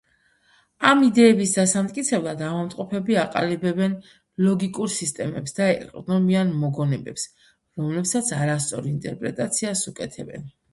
ამ იდეების დასამტკიცებლად ავადმყოფები აყალიბებენ ლოგიკურ სისტემებს და ეყრდნობიან მოგონებებს, რომლებსაც არასწორ ინტერპრეტაციას უკეთებენ.